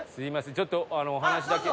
ちょっとお話だけ。